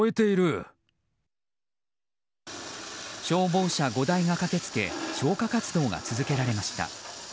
消防車５台が駆けつけ消火活動が続けられました。